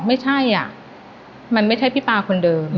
ไม่ใช่อ่ะมันไม่ใช่พี่ปลาคนเดิม